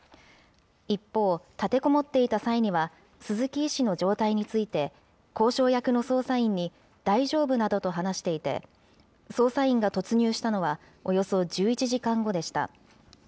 一方、立てこもっていた際には、鈴木医師の状態について、交渉役の捜査員に、大丈夫などと話していて、捜査員が突入したのはおよそ１１時間後でした。